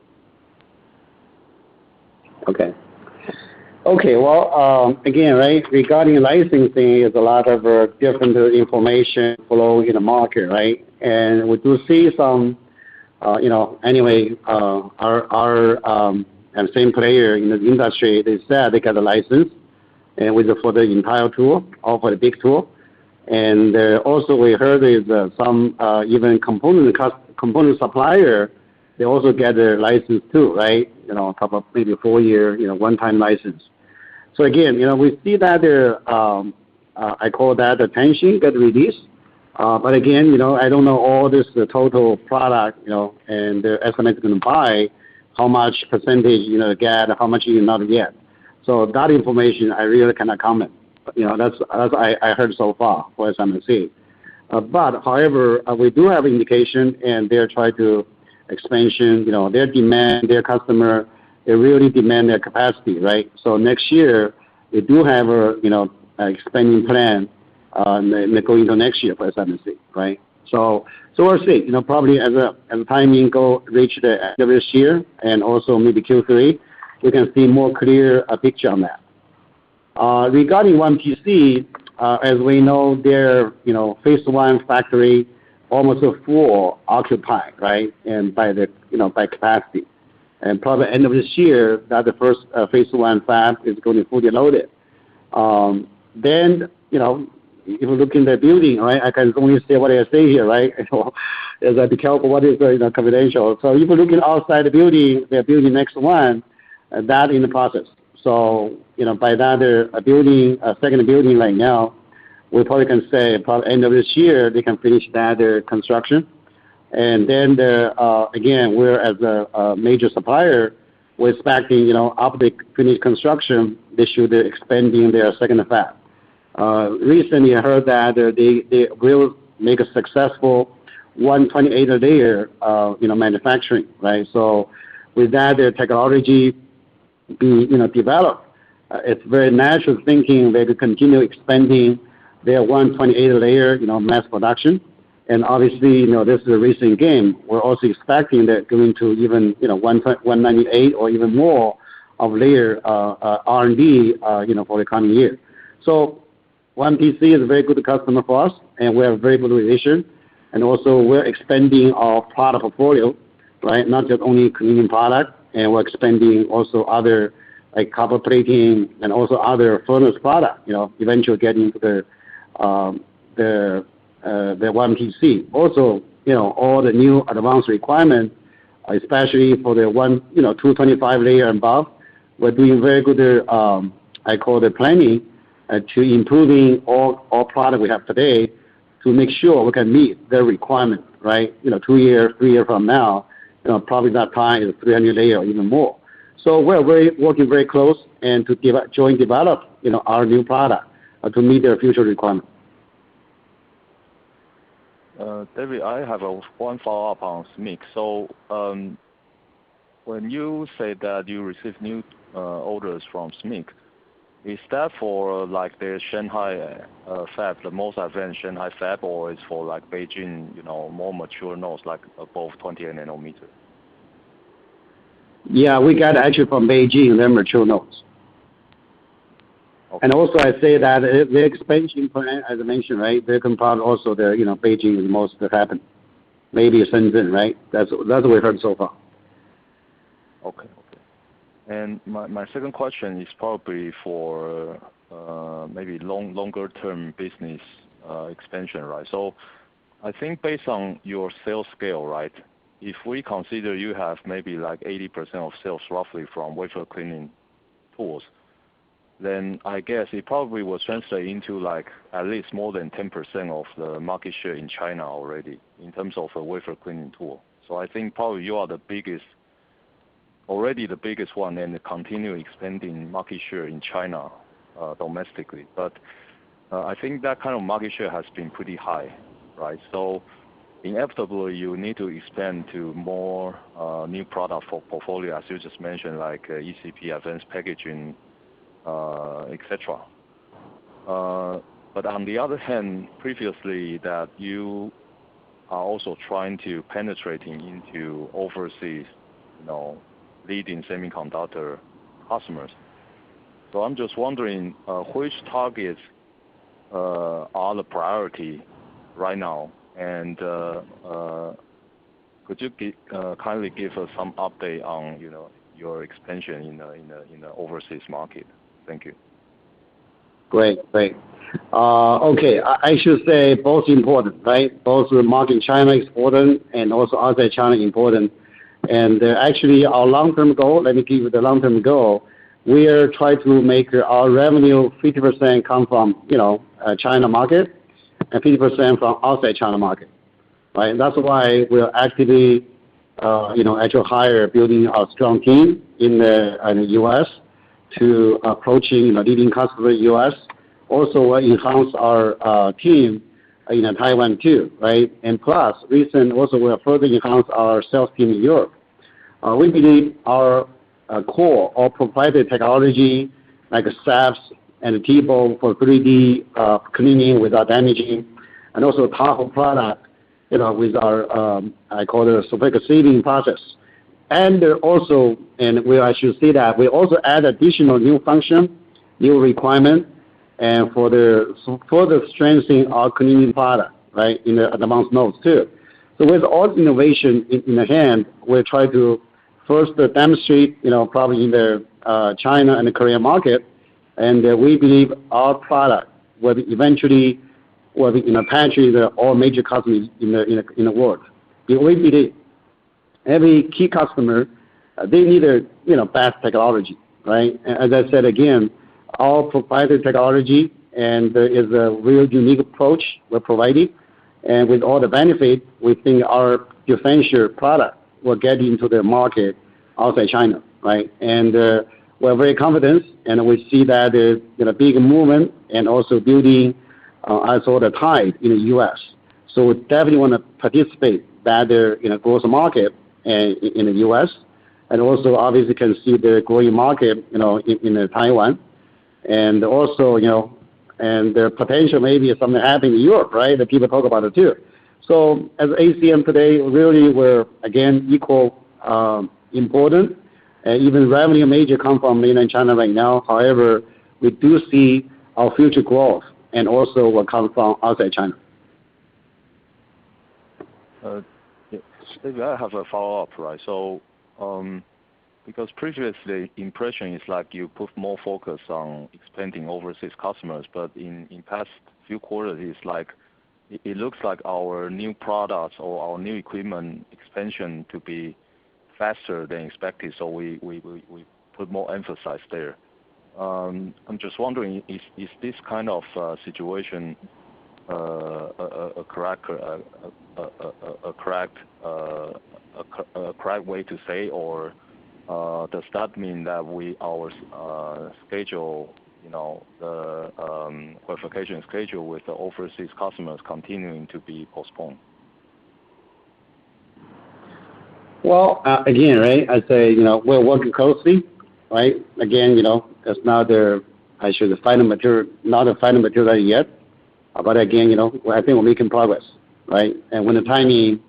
Okay. Well, again, regarding licensing, there's a lot of different information flow in the market. We do see some, anyway, and same player in the industry, they said they got a license, and for the entire tool or for the big tool. Also we heard is some even component supplier, they also get a license too. A couple of maybe four-year, one time license. Again, we see that, I call that attention get released. Again, I don't know all this total product, and SMIC can buy, how much percentage get, how much you not get. That information, I really cannot comment. That's I heard so far, what SMIC. However, we do have indication and they try to expansion, their demand, their customer, they really demand their capacity. Next year, they do have an expanding plan, and they're going into next year for SMIC. We'll see, probably as the timing go, reach the end of this year and also maybe Q3, we can see more clear picture on that. Regarding YMTC, as we know, their phase 1 factory almost are full occupied, and by capacity. Probably end of this year that the first phase 1 fab is going to be fully loaded. If you look in their building, I can only say what I say here. Be careful what is very confidential. If you're looking outside the building, they're building next 1, that in the process. By that second building right now, we probably can say by end of this year, they can finish that construction. Again, we're as a major supplier, we're expecting, after they finish construction, they should be expanding their second fab. Recently, I heard that they will make a successful 128 layer manufacturing. With that, their technology be developed. It's very natural thinking they could continue expanding their 128 layer mass production. Obviously, this is a recent game. We're also expecting that going to even 198 or even more of layer R&D, for the coming year. YMTC is a very good customer for us, and we have very good relation. Also we're expanding our product portfolio. Not just only cleaning product, and we're expanding also other, like copper plating and also other furnace product, eventually getting into the YMTC. All the new advanced requirements, especially for their 225-layer and above, we're doing very good, I call it, planning to improving all product we have today to make sure we can meet their requirement. Two year, three year from now, probably that time is 300-layer or even more. We're working very close and to joint develop our new product to meet their future requirement. David, I have one follow-up on SMIC. When you say that you receive new orders from SMIC, is that for their Shanghai fab, the most advanced Shanghai fab, or it's for Beijing, more mature nodes, like above 20 nanometer? Yeah, we got actually from Beijing, their mature nodes. Also, I say that the expansion plan, as I mentioned, they compound also Beijing is most that happen, maybe Shenzhen. That's what we've heard so far. Okay. My second question is probably for maybe longer term business expansion. I think based on your sales scale, if we consider you have maybe 80% of sales roughly from wafer cleaning tools, then I guess it probably will translate into at least more than 10% of the market share in China already, in terms of a wafer cleaning tool. I think probably you are already the biggest one and continue expanding market share in China domestically. I think that kind of market share has been pretty high. Inevitably, you need to expand to more new product for portfolio, as you just mentioned, like ECP, advanced packaging, et cetera. On the other hand, previously, that you are also trying to penetrating into overseas, leading semiconductor customers. I'm just wondering, which targets are the priority right now, and could you kindly give us some update on your expansion in the overseas market? Thank you. Great. Okay. I should say both important. Both the market in China is important, and also outside China important. Actually, let me give you the long-term goal. We are try to make our revenue 50% come from China market and 50% from outside China market. That's why we are actively, hire, building a strong team in the U.S. to approaching leading customer in the U.S. Also, enhance our team in Taiwan, too. Plus, also we are further enhance our sales team in Europe. We believe our core, our provided technology, like a SAPS and TEBO for 3D cleaning without damage, and also Tahoe product, with our, I call it a silicon saving process. I should say that we also add additional new function, new requirement, and for the further strengthening our cleaning product in advanced nodes, too. With all innovation in hand, we're trying to first demonstrate, probably in the China and the Korea market. We believe our product will be eventually penetrate that all major companies in the world. Every key customer, they need a fast technology. As I said, again, our provided technology. There is a real unique approach we're providing. With all the benefit, we think our defensure product will get into the market outside China. We're very confident. We see that there's a big movement and also building as the tide in the U.S. We definitely want to participate that growth market in the U.S., and also obviously can see the growing market in Taiwan. The potential may be something happening in Europe, that people talk about it, too. As ACM today, really we're, again, equal important. Even revenue major come from mainland China right now, however, we do see our future growth and also will come from outside China. I have a follow-up. Because previously impression is like you put more focus on expanding overseas customers, but in past few quarters, it looks like our new products or our new equipment expansion to be faster than expected. We put more emphasis there. I'm just wondering, is this kind of situation a correct way to say, or does that mean that our qualification schedule with the overseas customers continuing to be postponed? Well, again, I say, we're working closely. Because now they're, I should say, not the final material yet. Again, I think we're making progress. When the timing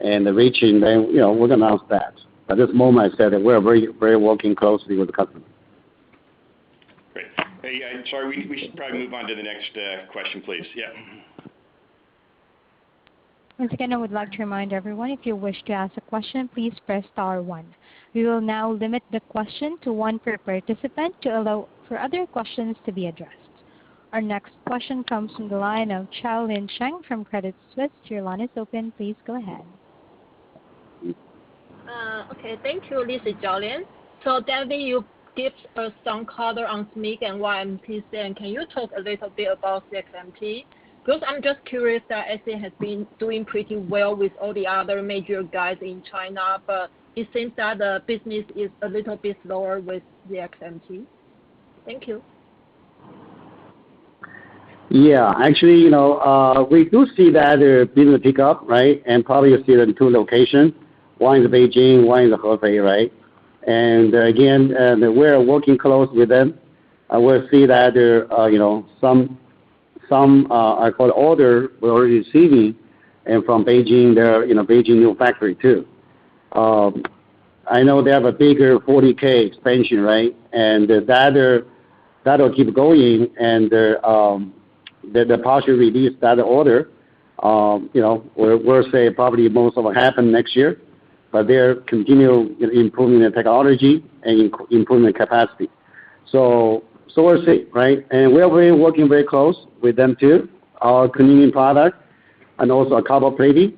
and the reaching, then we'll announce that. At this moment, I said that we're very working closely with the customer. Great. Hey, yeah, sorry, we should probably move on to the next question, please. Yeah. Once again, I would like to remind everyone, if you wish to ask a question, please press star one. We will now limit the question to one per participant to allow for other questions to be addressed. Our next question comes from the line of Chaolien Tseng from Credit Suisse. Your line is open, please go ahead. Okay. Thank you. This is Jolene. David, you gave us some color on SMIC and YMTC, and can you talk a little bit about CXMT? I'm just curious that ACM has been doing pretty well with all the other major guys in China, but it seems that the business is a little bit slower with CXMT. Thank you. Actually, we do see that business pick up, and probably you see that in two locations. One in Beijing, one in Hefei. Again, we're working closely with them, and we see that there are some I call order. We're already receiving, and from Beijing, their Beijing new factory too. I know they have a bigger 40K expansion, right? That'll keep going and the partial release, that order, we'll say probably most of it happen next year, but they're continually improving their technology and improving their capacity. We'll see. Right? We have been working very close with them too, our cleaning product and also our copper plating,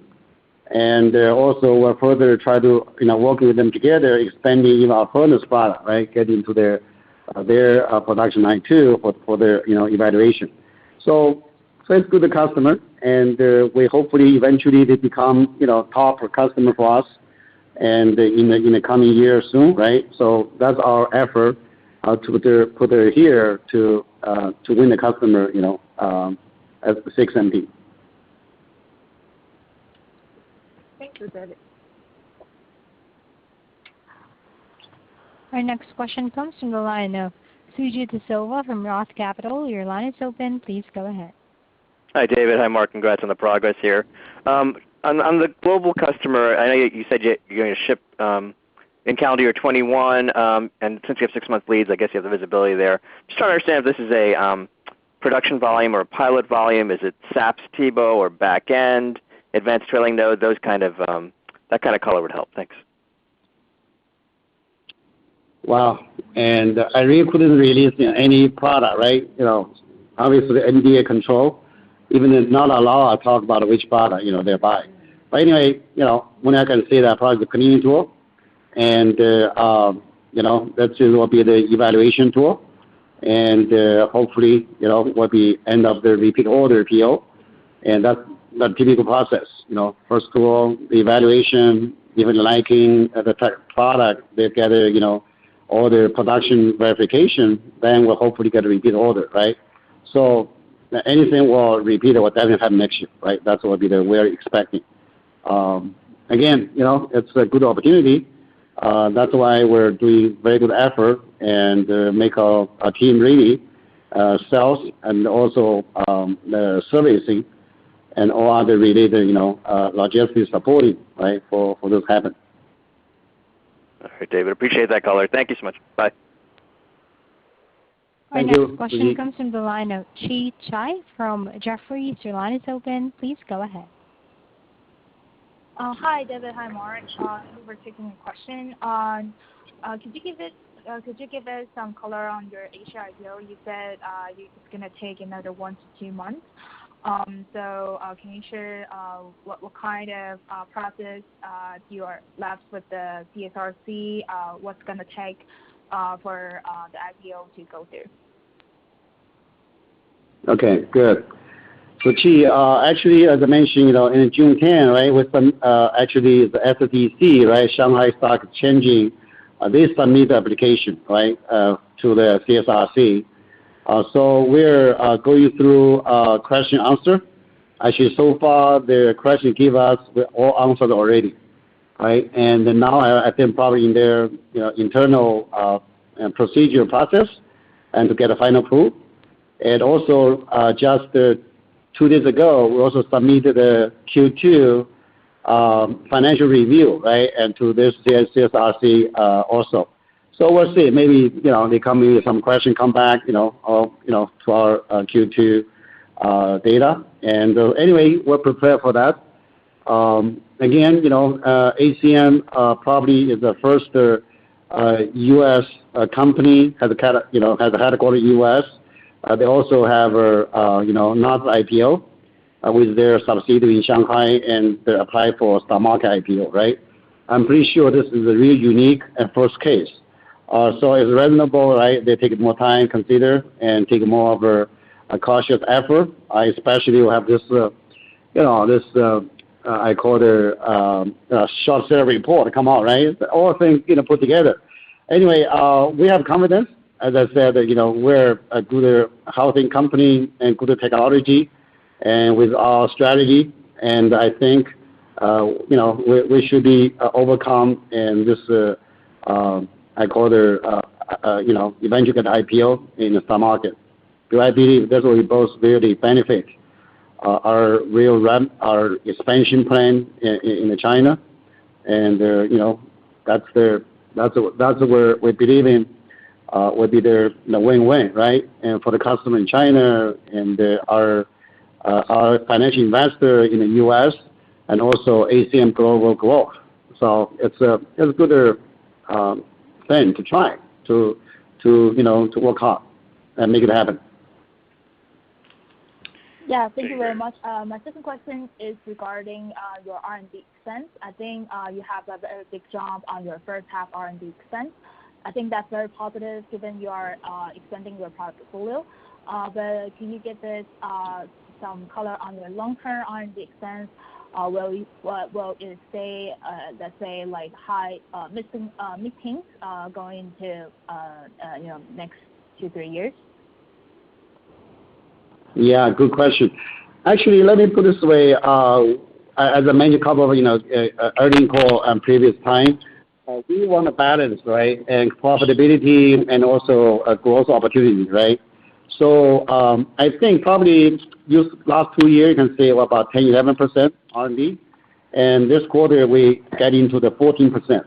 and also we're further try to work with them together, expanding our furnace product, right, get into their production line too, for their evaluation. Thanks to the customer, we hopefully eventually they become a top customer for us, in the coming year soon, right? That's our effort for the year to win the customer. Thanks, David. Our next question comes from the line of Suji Desilva from Roth Capital. Your line is open, please go ahead. Hi, David. Hi, Mark. Congrats on the progress here. On the global customer, I know you said you're going to ship in calendar year 2021, and since you have six-month leads, I guess you have the visibility there. Just trying to understand if this is a production volume or a pilot volume. Is it SAPS, TEBO, or backend, advanced trailing node, that kind of color would help. Thanks. Wow. I really couldn't release any product, right? Obviously, NDA control, even it's not allowed, I talk about which product they're buying. Anyway, we now can say that product, the cleaning tool, and that soon will be the evaluation tool, and hopefully, will be end of the repeat order PO, and that typical process. First of all, the evaluation, even liking of the type of product they gather, all their production verification, then we'll hopefully get a repeat order, right? Anything we'll repeat it what doesn't happen next year, right? That's what we're expecting. Again, it's a good opportunity. That's why we're doing very good effort and make our team really, sales and also the servicing and all other related logistics supporting for this happen. All right, David, appreciate that color. Thank you so much. Bye. Thank you. Our next question comes from the line of Chi Tsai from Jefferies. Your line is open. Please go ahead. Hi, David. Hi, Mark. Over taking a question on, could you give us some color on your A-share IPO? You said it's going to take another one to two months. Can you share what kind of process you are left with the CSRC? What's it going to take for the IPO to go through? Chi, actually, as I mentioned, in June 10, with some actually the SSE, Shanghai Stock Exchange, they submit application to the CSRC. We're going through question answer. Actually, so far, their question give us, we're all answered already. Right? Now I think probably in their internal procedure process, and to get a final approval. Also, just two days ago, we also submitted a Q2 financial review, and to the CSRC also. We'll see. Maybe, they come with some question, come back to our Q2 data. Anyway, we're prepared for that. Again, ACM probably is the first U.S. company, has a headquarter U.S. They also have a Nasdaq IPO, with their subsidiary in Shanghai, and they apply for STAR Market IPO, right? I'm pretty sure this is a really unique and first case. It's reasonable, they take more time, consider, and take more of a cautious effort, especially we have this, I call it a short seller report come out, right. All things put together. We have confidence, as I said, that we're a good housing company and good technology, and with our strategy, and I think we should be overcome in this, I call it, eventually get IPO in the stock market. I believe this will be both really benefit our real expansion plan in China. That's where we believe in will be the win-win, right, for the customer in China and our financial investor in the U.S., and also ACM global growth. It's a good thing to try to work hard and make it happen. Thank you very much. My second question is regarding your R&D expense. I think you have a very big jump on your H1 R&D expense. I think that's very positive given you are expanding your product portfolio. Can you give us some color on your long-term R&D expense? Will it stay, let's say, like high, mid-teens, going to next two, three years? Yeah, good question. Actually, let me put it this way. As I mentioned a couple of earnings calls and previous time, we want to balance and profitability and also growth opportunities. I think probably these last two years, you can say about 10%-11% R&D. This quarter, we get into the 14%.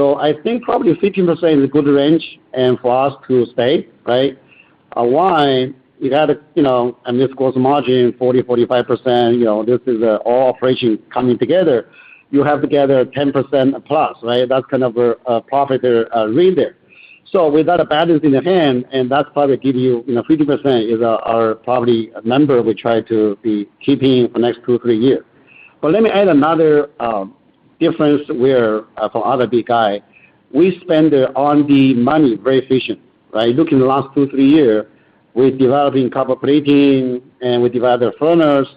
I think probably 15% is a good range and for us to stay. Why? We got a gross margin 40%-45%. This is all operations coming together. You have to get a 10%+. That's kind of a profit leader. We got a balance in the hand, and that's probably give you 15% is our probably number we try to be keeping for next two, three year. Let me add another difference where for other big guy, we spend on the money very efficient. In the last two, three years, we developed copper plating and we developed the furnace.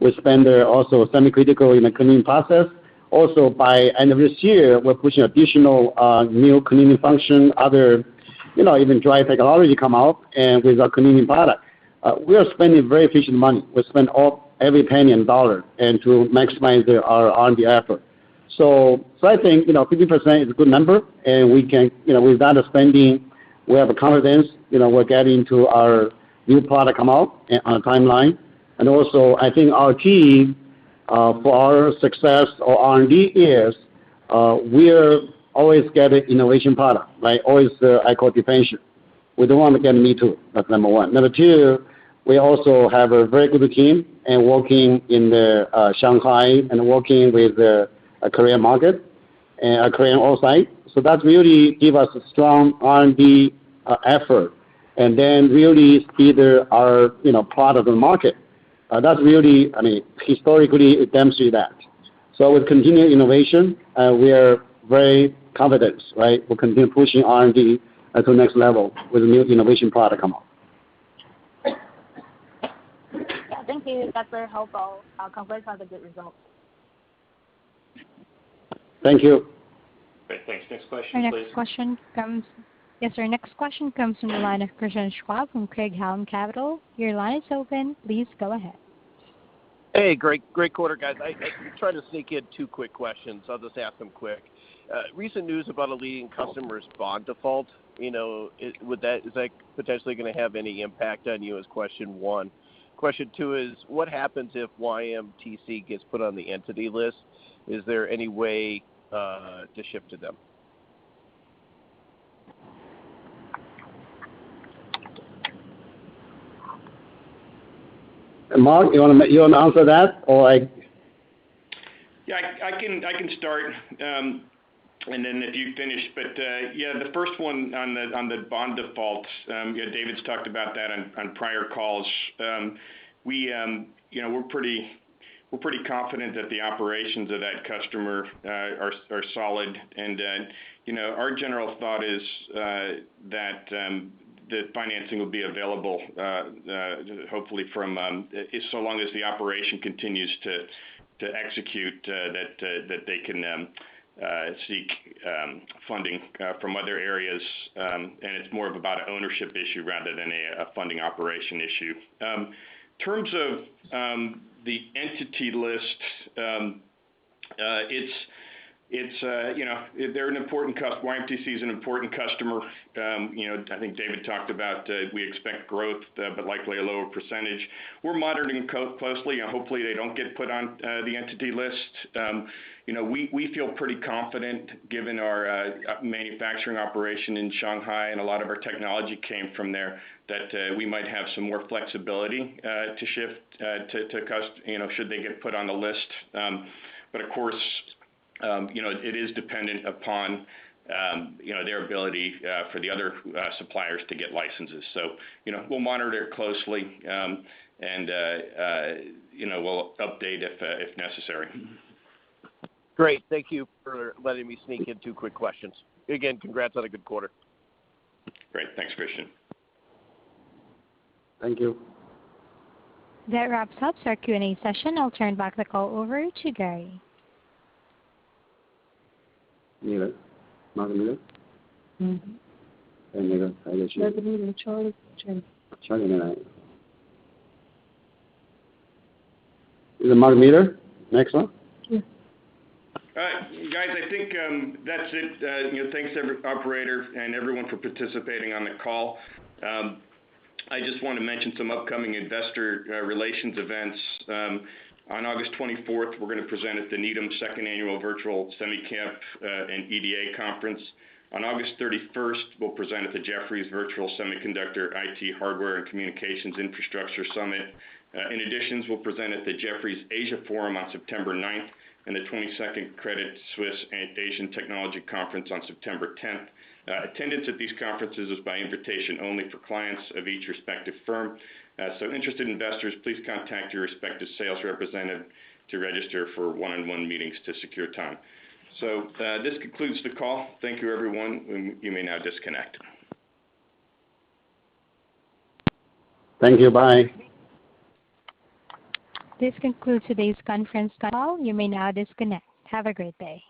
We also spent on semi-critical cleaning. By the end of this year, we are pushing additional new cleaning functions, other even dry technologies to come out with our cleaning product. We are spending very efficient money. We spend every penny and dollar and to maximize our R&D effort. I think 15% is a good number. With that spending, we have confidence. We are getting our new products to come out on a timeline. Also, I think our key for our success or R&D is we are always getting innovative products. Always, I call differential. We don't want to get a me too. That is number one. Number two, we also have a very good team working in Shanghai and working with a Korean market and a Korean offsite. That really give us a strong R&D effort and then really either our product or market. That's really, historically, it demonstrates that. With continued innovation, we are very confident. We'll continue pushing R&D to the next level with a new innovation product come out. Yeah, thank you. That's very helpful. Congrats on the good results. Thank you. Great. Thanks. Next question, please. Yes, our next question comes from the line of Christian Schwab from Craig-Hallum Capital. Your line is open. Please go ahead. Hey, great quarter, guys. I try to sneak in two quick questions, so I'll just ask them quick. Recent news about a leading customer's bond default. Is that potentially going to have any impact on you as question one? Question two is what happens if YMTC gets put on the entity list? Is there any way to ship to them? Mark, you want to answer that, or? I can start. If you finish, the first one on the bond defaults, David's talked about that on prior calls. We're pretty confident that the operations of that customer are solid, and our general thought is that the financing will be available, hopefully from so long as the operation continues to execute that they can seek funding from other areas, and it's more of about an ownership issue rather than a funding operation issue. In terms of the entity list, YMTC is an important customer. I think David talked about we expect growth, but likely a lower percentage. We're monitoring closely, and hopefully they don't get put on the entity list. We feel pretty confident given our manufacturing operation in Shanghai, and a lot of our technology came from there, that we might have some more flexibility to shift should they get put on the list. Of course, it is dependent upon their ability for the other suppliers to get licenses. We'll monitor it closely, and we'll update if necessary. Great. Thank you for letting me sneak in two quick questions. Again, congrats on a good quarter. Great. Thanks, Christian. Thank you. That wraps up our Q&A session. I'll turn back the call over to Gary. All right, guys, I think that's it. Thanks, operator and everyone for participating on the call. I just want to mention some upcoming investor relations events. On August 24th, we're going to present at the Needham Second Annual Virtual SemiCap and EDA Conference. On August 31st, we'll present at the Jefferies Virtual Semiconductor, IT, Hardware, and Communications Infrastructure Summit. In addition, we'll present at the Jefferies Asia Forum on September 9th and the 22nd Credit Suisse Asian Technology Conference on September 10th. Attendance at these conferences is by invitation only for clients of each respective firm. Interested investors, please contact your respective sales representative to register for one-on-one meetings to secure time. This concludes the call. Thank you everyone, and you may now disconnect. Thank you. Bye. This concludes today's conference call. You may now disconnect. Have a great day.